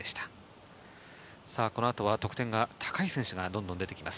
この後は得点が高い選手がどんどんと出てきます。